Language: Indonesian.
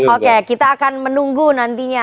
oke kita akan menunggu nantinya